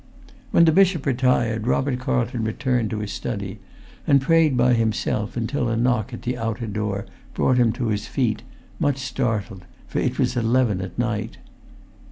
When the bishop retired, Robert Carlton returned to his study, and prayed by himself until a knock at the outer door brought him to his feet, much startled; for it was eleven at night.